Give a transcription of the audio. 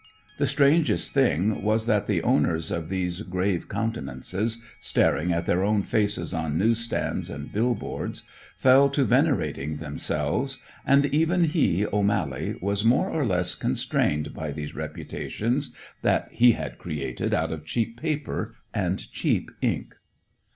The strangest thing was that the owners of these grave countenances, staring at their own faces on newsstands and billboards, fell to venerating themselves; and even he, O'Mally, was more or less constrained by these reputations that he had created out of cheap paper and cheap ink.